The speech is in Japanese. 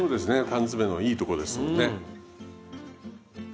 缶詰のいいとこですよね。